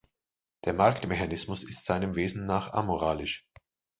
Der Marktmechanismus ist seinem Wesen nach amoralisch.